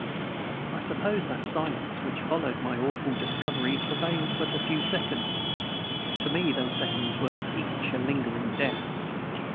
I suppose that silence which followed my awful discovery prevailed but a few seconds. To me those seconds were each a lingering death.